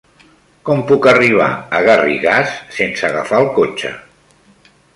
Com puc arribar a Garrigàs sense agafar el cotxe?